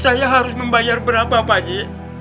saya harus membayar berapa pak haji